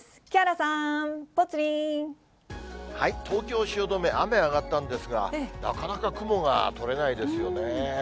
木原さん、東京・汐留、雨あがったんですが、なかなか雲が取れないですよね。